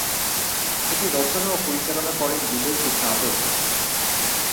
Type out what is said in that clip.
এটি রচনা ও পরিচালনা করেন বিজয় কৃষ্ণ আচর্য।